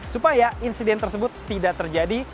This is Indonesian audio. supaya insiden tersebut tidak terjadi